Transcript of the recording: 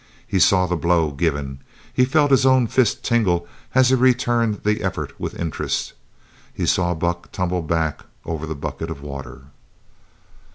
He saw the blow given. He felt his own fist tingle as he returned the effort with interest. He saw Buck tumble back over the bucket of water.